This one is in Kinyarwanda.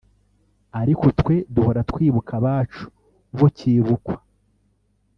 ariko twe duhora twibuka abacu bo kibukwa